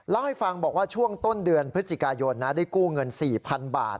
เล่าให้ฟังบอกว่าช่วงต้นเดือนพฤศจิกายนได้กู้เงิน๔๐๐๐บาท